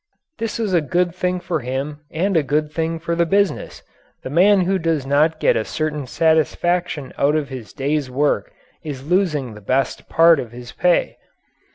This is a good thing for him and a good thing for the business. The man who does not get a certain satisfaction out of his day's work is losing the best part of his pay.